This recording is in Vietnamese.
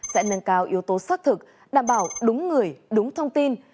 sẽ nâng cao yếu tố xác thực đảm bảo đúng người đúng thông tin